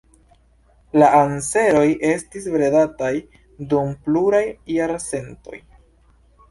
La anseroj estis bredataj dum pluraj jarcentoj.